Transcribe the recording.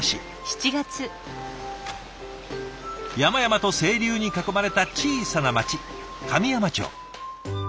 山々と清流に囲まれた小さな町神山町。